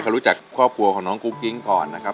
เขารู้จักครอบครัวของน้องกุ๊กกิ๊งก่อนนะครับ